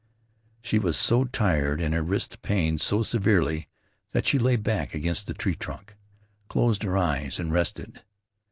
She was so tired and her wrist pained so severely that she lay back against the tree trunk, closed her eyes and rested.